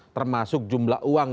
termasuk jumlah uang